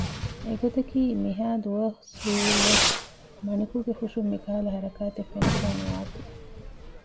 އެ ގޮތަކީ މިހައި ދުވަސް ވީއިރު ވެސް މަނިކުގެ ފުށުން މިކަހަލަ ހަރަކާތެއް ފެނިފައި ނުވާތީ